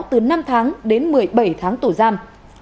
từ năm tháng đến một mươi bảy tháng tù giam